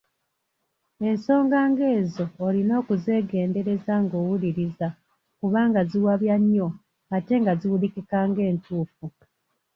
Ensonga ng’ezo olina okuzeegendereza ng’owuliriza kuba ziwabya nnyo ate nga ziwulikika ng’entuufu.